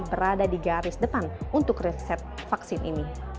berada di garis depan untuk riset vaksin ini